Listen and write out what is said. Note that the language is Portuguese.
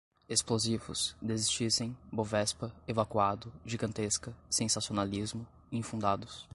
explosivos, desistissem, bovespa, evacuado, gigantesca, sensacionalismo, infundados